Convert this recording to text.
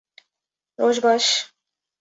Roj baş